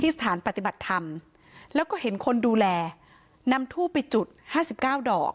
สถานปฏิบัติธรรมแล้วก็เห็นคนดูแลนำทูบไปจุดห้าสิบเก้าดอก